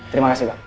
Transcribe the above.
terima kasih pak